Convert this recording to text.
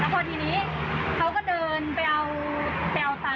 แล้วพอทีนี้เขาก็เดินไปเอาไปเอาตังแล้วก็ถือกระเป๋าไปแล้วนะคะ